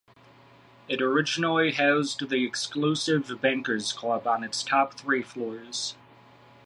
It originally housed the exclusive Bankers Club on its top three floors.